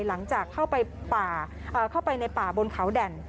หลังจากเข้าไปในป่าบนเขาแด่น